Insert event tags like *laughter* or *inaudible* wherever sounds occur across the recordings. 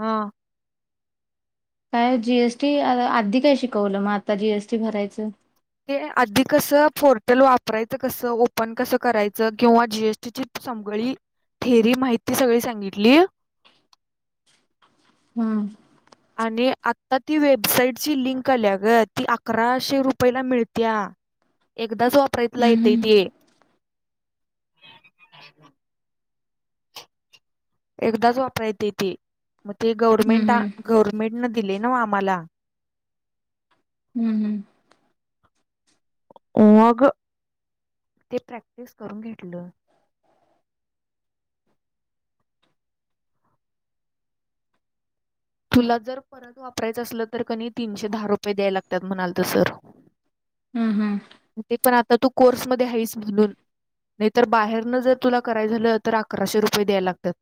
हा. काय जीएसटी आधी काय शिकवलं मग आता जीएसटी भरायचं. ते आधी कस! पोर्टल वापरायचं कसं! ओपन कसं करायचं. किंवा जीएसटी सगळी थेरी माहिती सगळी सांगितली. *unintelligible* हम. आणि आता ती वेबसाइटची लिंक आलिया ग ती अकराशे रुपयला मिळत्या. *unintelligible* आपल्याच वापरात येते हम्म ते एकदाच वापराय त ते मग ते गव्हर्नमेंट हम्म गव्हर्नमेंट न दिले. ना आम्हाला हम्म हम्म. हो अगं मग ते प्रॅक्टिस करून घेतलं. *unintelligible* तुला जर परत वापरायचं असलं. तर कनी तीनशे दहा रुपये द्याय लागतात म्हणाल तर सर हम्म हम्म. ते पण आता तू कोर्समध्ये आहेस म्हणून नाहीतर बाहेरनं जर तुला कराय झालं तर अकराशे रुपये द्याय लागतात.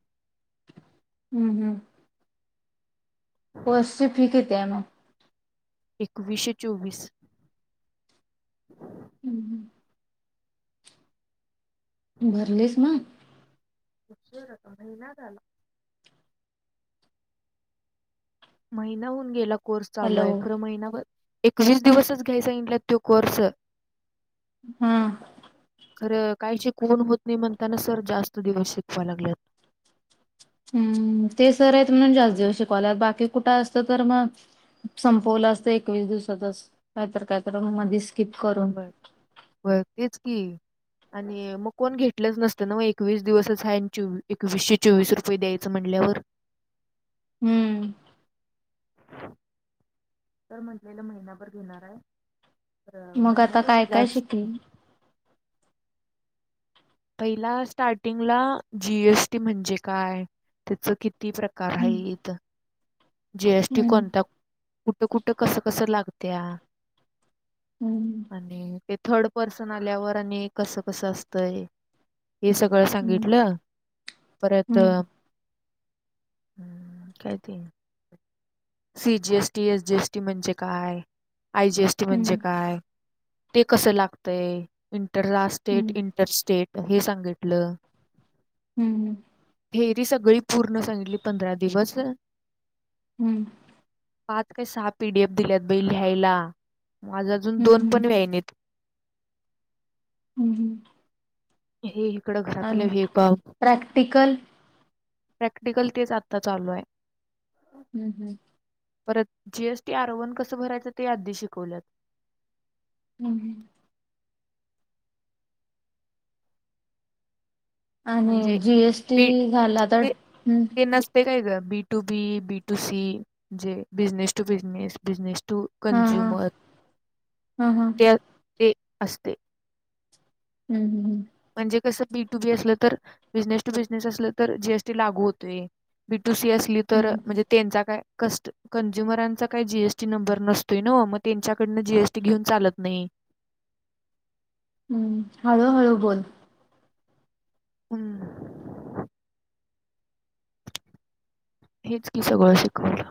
हम्म हम्म. तेम एकवीशे चोवीस भरलीस म शता महिना झाला. महिनाहन गेला कोर्स चालू हॅलो आहे. खरं महिनाभर एकवीस दिवसच घ्यायचा इला तो कोर्स हम्म. काही शिकवण होत नाही म्हणताना. सर जास्त दिवस शिकवा लागलेत. हम्म ते सर आहेत म्हणून जास्त दिवस शिकवाल्या बाकी कुठं असतं तर मग संपवलं असत एकवीस दिवसातच कायत कायत मध्येस बर बर तेच की आणि मग कोण घेतलंच नसतं! ना मग एकवीस दिवसच आहे एकवीसशे चोवीस रुपये द्यायचं म्हटलं. *unintelligible* हम्म. तर म्हटलेलं महिनाभर घेणार आहे. तर मग आता महिन्यापेक्षा काय काय जास्त शिकले? पहिला स्टार्टिंगला जीएसटी म्हणजे काय? त्याच कि किती प्रकार आहे. हम्म इथ. जीएसटी हम्म कोणता कुठं कुठं कस कसं लागत. हम्म आणि ते थर्ड पर्सन आल्यावर आणि कसं कसं असतय. हे सगळं सांगितलं. परत हम्म हम्म काय ते सी जीएसटी एस जीएसटी म्हणजे काय आय जीएसटी म्हणजे हम्म काय? ते कसं लागतय इंटरा हम्म स्टेट इंटरस्टेट. हे सांगितलं. हम्म! हम्म! थेरी सगळी पूर्ण सांगितली पंधरा दिवस. हम्म. पाच काही सहा पीडीएफ दिल्यात बाई लिहायला माझ अजून दोन पण हम्म व्यायनेत. हम्म ह! *unintelligible* प्रॅक्टिकल प्रॅक्टिकल तेच आता चालू आहे. हम्म हम्म! परत G S T R one कसं भरायचं ते आधी शिकवल्यात. हम्म! म्हणजे आणि बी जीएसटी झाला तर हं, ते नसते काय ग? B to B B to C जे business to business business. To हा हा कंझ्युमर हा हा त्या ते असते. हम्, हम्, हम्! म्हणजे कसं बी टू बी असलं तर बिझनेस टू बिझनेस असलं तर जीएसटी लागू होतोय. बी दुसरी असली हं, तर हं. म्हणजे त्यांचा काय. कस् कंझ्युमरांचा काही जीएसटी नंबर नसतोय न मग त्यांच्याकडनं जीएसटी घेऊन चालत नाही. हम्! हळूहळू बोल. हम्म! हेच की सगळं शिकवलं.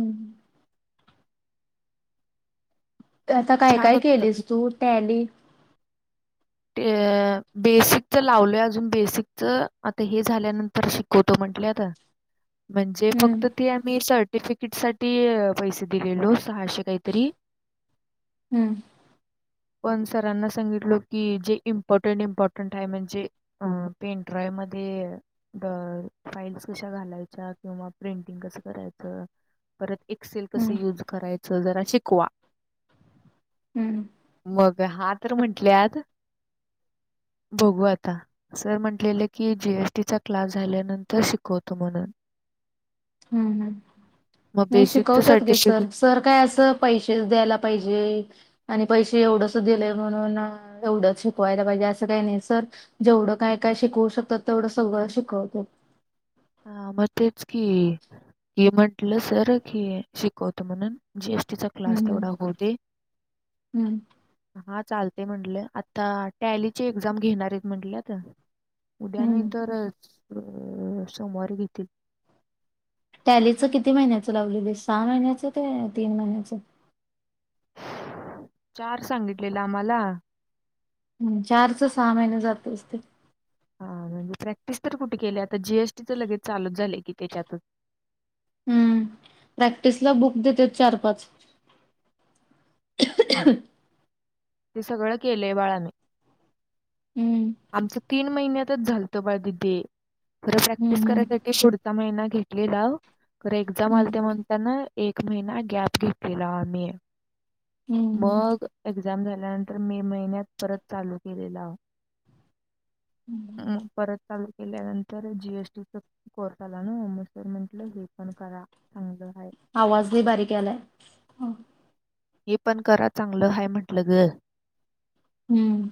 हम्! आता काय छान काय होतं. केलेस तू टॅली? ते बेसिकच लावलोय अजून बेसिकच आता हे झाल्यानंतर शिकवतो म्हण म्हटल्याता. म्हणजे हं, फक्त ती आम्ही सर्टिफ किट साठी पैसे दिलेलो सहाशे काहीतरी हम्म! होय मग सरांना सांगितलो कि जे इम्पॉर्टंट इम्पॉर्टंट आहे म्हणजे अ पेंट्रॉय मध्ये फाईल्स कशा घालायच्या किंवा प्रिंटिंग कसं करायचं परत एक्सेल कस हं, युज करायच? जरा शिकवा. हं, मग हा तर म्हंटल्यात. बघू आता सर म्हंटलेलं की जी एस टीचा क्लास झाल्यानंतर शिकवतो म्हणून. हम्म! हम्म! मग नाही बेसिकचं शिकवतात गे सर्टिफिकेट सर सर काय असं पैसे द्यायला पाहिजे. आणि पैसे एवढंच दिलेय म्हणून एवढंच शिकवायला पाहिजे असं काही नाही सर जेवढं काय काय शिकवू शकतात तेवढं सगळ शिकवतो. हा मग तेच की हे म्हटलं सर की शिकवतो म्हणून. जी एस टी चा हं, क्लास हं, तेवढा होऊदे. हं, चालते म्हटलं आता टॅलीची एक्झाम घेणार आहेत म्हंटल्यात. उद्या नाही हं. तर. अ सोमवारी घेतील. टॅलीचं किती महिन्याचं लावलेली सहा महिन्याच ते तीन महिन्याच? चार सांगितलेला आम्हाला. हम्! चारचा सहा महिने जातच ते. हा म्हणजे प्रॅक्टिस तर कुठे केली आता जी एस टीच लगेच चालूच झाले की त्याच्यातच. हम्म प्रॅक्टिसला बुक देतेत चार, पाच ते सगळं केलेय बाळाने हम्म आमचं तीन महिन्यातच झालतं बाळ दिदे खरं प्रॅक्टिस हम्म करायसाठी शूडता महिना घेतलेला खरं एक्झाम हम्म आलत्या म्हणताना एक महिना गॅप घेतलेला आम्ही. हम्म हम्म मग एक्झाम झाल्यानंतर मे महिन्यात परत चालू केलेला. हम्म हम् परत चालू केल्यानंतर जीएसटीचा कोर्स आला नई, म सर म्हनलं हे पण करा चांगलं. आहे आवाज लय बारीक यालाय हे पण करा चांगलं हाय म्हंटलं ग. हम्म.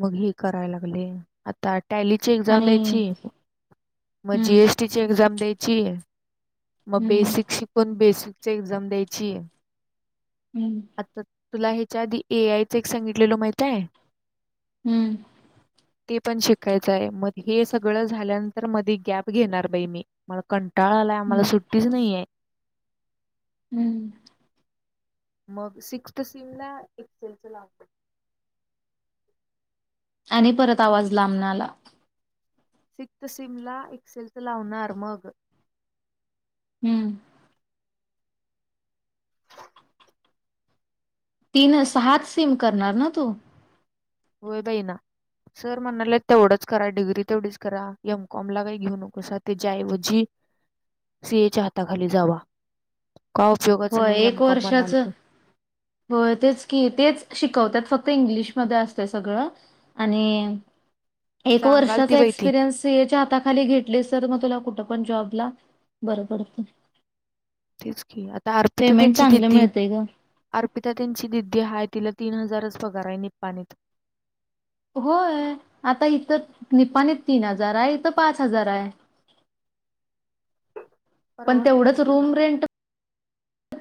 मग हे कराय लागले आता टॅलीची एक्झाम आणि द्यायची, मग हम्म जीएसटीची एक्झाम द्यायची मग हम्म बेसिक शिकून बेसिकची एक्झाम द्यायची. हम्म आता तुला हेच्या आधी ए आय च एक सांगितलेलो माहित हाय? हम्म. ते पण शिकायचं आहे मग हे सगळं झाल्यानंतर मध्ये गॅप घेणार बाई मी मला कं टाळा आलाय आम्हाला हम्म सुट्टीच नाहीय. हम्म. मग सिक्सथ सिम ला *unintelligible* आणि परत आवाज लांबन आला. सिक्स्थ सीम ला एक्सेलच लावणार मग हम्म. तीन अं सहा च सिम करणार ना तू? होय बई ना. सर म्हणाल्यात तेवढंच करा. डिग्री तेवढीच करा एम. कॉम ला काय घिऊ नकासा तेज्या ऐवजी सी ए च्या हाताखाली जावा. का उपयोगाचं होय नाही एम एक कॉम वर्षाच, म्हणाल तर होय तेच की तेच शिकवत्यात फक्त ते इंग्लिशमध्ये असतय सगळं आणि एक सांगाल ती वर्षाचा बाई ती एक्सपिरियन्स सी ए च्या हाताखाली घेतलीस तर म तुला कुठ पण जॉबला बर पडतंय. तेच की आता अर्पिता तेंची दीदी, मिळतंय गं. अर्पिता त्यांची दीदी हाय तिला तीन हजारच पगार हाय निपाणीत. होय आता इथं निपाणीत तीन हजार हाय इथं पाच हजार हाय. *inaudible* पण परवडत नाही तेवढंच ते रूम रेंट,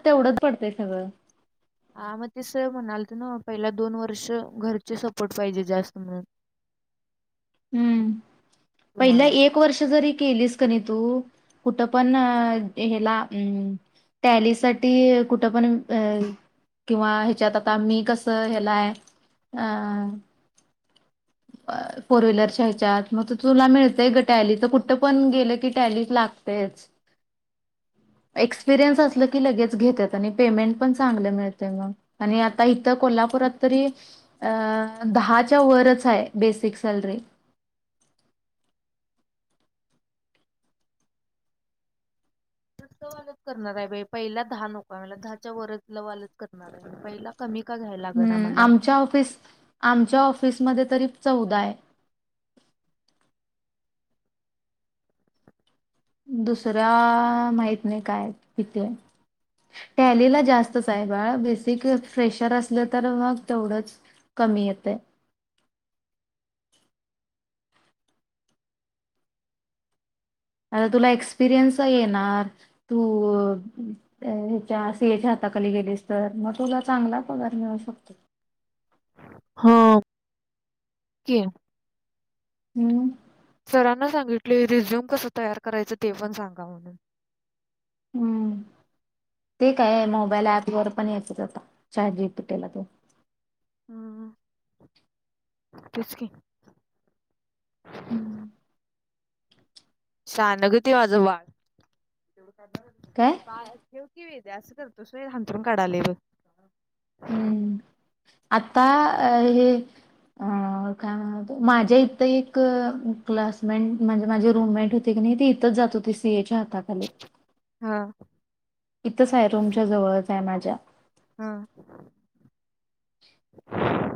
तेवढंच पडतय सगळं. हा मग ते सर म्हणालते नव पहिला दोन वर्ष घरचे सपोर्ट पाहिजे जास्त म्हणून. हम्, पहिला तुम्हाला एक वर्ष जरी केलीस कणी तू कुठं पण अं हेला अ टॅली साठी कुठं पण अ किंवा ह्याच्यात आता मी कसं हेलाय अं फोर व्हीलरच्या हेच्यात मग तुला मिळतय ग टॅली कुठं पण गेलं की टॅली ला गतयचं. एक्सपिरेन्स आसंल की लगे च घेत्यात आणि पेमेंट पण चांगल मिळतय मग आणि आता इथं कोल्हापूरात तरी अं दहाच्या वरच हाय बेसिक सॅलरी. *unintelligible* करणार हाय बाई पहिला दहा नकोय मला दहाच्या वरच वालच करणाराय पहिला कमी का घ्यायला लागल हम् आम्हाला आमच्या ऑफिस, आमच्या ऑफिसमध्ये तरी चौदा हाय. दुसऱ्या आ माहीत नाही काय किती हाय. टॅलीला जास्तच आहे बाळ, बेसिक फ्रेशर असलं तर मग तेवढच कमि येतंय. आता तुला एक्सपिरियन्स येणार तू हच्याच्या सी ए हाताखाली गेलीस तर मग तुला चांगला पगार मिळू शकतो. हो, कि. हम्म. सरांना सांगितलोय रिझ्यूम कसं तयार करायचं ते पण सांगा म्हणून. हम्म. ते काय मोबाईल ऍप वर पण येतात आता चाट जी पी टी ला तेन. हम्म तेस क हम्म. शानगती माझं बाळ काय बा ्वेदु असं करतोस हांंतरण काढाले ब हम्म आता अ हे अ काय म्हणत माझ्या इथ एक क्लासमेट म्हणजे माझे रूममेट होते आणि ते इथच जात होते सीएच्या हाताखाली हा इथंच आहे रूमच्या जवळच आहे माझ्या हा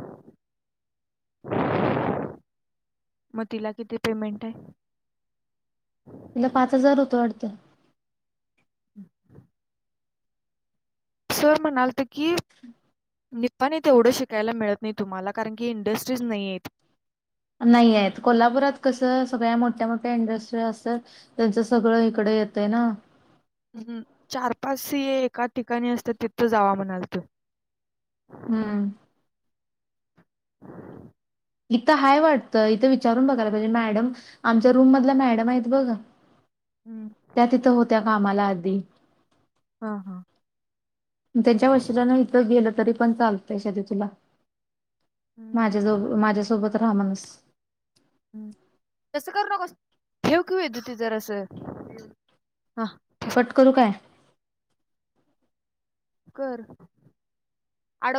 *inaudible* मग तिला किती पेमेंट आहे तुला पाच हजार होतो अडत हम् *inaudible* सर मनालतिथ की हम् निने तेवढं शिकायला मिळत नाही तुम्हाला कारण की इंडस्ट्रीज नाहीय आहेत नाही आहेत. कोल्हापुरात कसं सगळ्या मोठ्या मोठ्या इंडस्ट्री असेल त्यांच सगळं इकडे येतय ना हम्म चार पाच सीये हे एका ठिकाणी असतात तिथो जावा म्हणाल तो हम्म हम्म. इथं हय वाटतं इथं विचारून बघायला पाहिजे मॅडम आमच्या रूम मधल्या मॅडम आहेत बघ त्या तिथं होत्या कामाला आधी हा हा त्यांच्या वशियांना न इथ गेलं तरी पण चालतय तुला माझ्या ज हम्म. माझ्यासोबत राहा म्हणस हम्म *inaudible* तसं करू नकोस ठेव कि वेदु ते जरासा कट करू काय कर आड